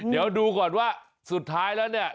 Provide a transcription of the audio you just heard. เดี๋ยวดูก่อนว่าสุดท้ายแล้วเนี่ย